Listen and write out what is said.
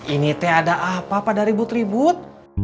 ini teh ada apa pada ribut ribut